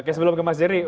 oke sebelum ke mas jerry